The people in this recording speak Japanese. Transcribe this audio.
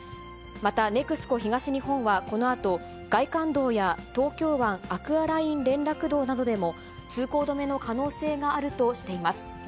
また、ＮＥＸＣＯ東日本はこのあと、外環道や東京湾アクアライン連絡道などでも、通行止めの可能性があるとしています。